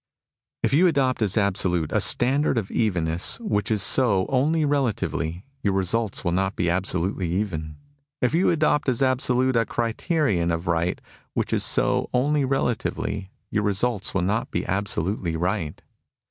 If you adopt, as absolute, a standard of evenness which is so only relatively, your results will not be absolutely even. If you adopt, as absolute, a criterion of right which is so only relatively, your results will not be absolutely right.